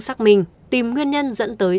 xác minh tìm nguyên nhân dẫn tới